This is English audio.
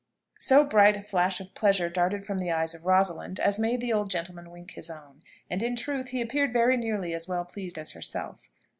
So bright a flash of pleasure darted from the eyes of Rosalind, as made the old gentleman wink his own and, in truth, he appeared very nearly as well pleased as herself.